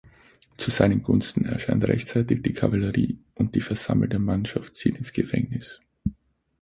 Zu seinen Gunsten erscheint rechtzeitig die Kavallerie und die versammelte Mannschaft zieht ins Gefängnis.